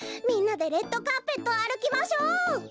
みんなでレッドカーペットあるきましょう！